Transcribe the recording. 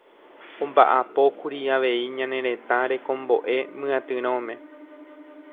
omba'apókuri avei ñane retã rekombo'e myatyrõme